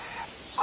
あ。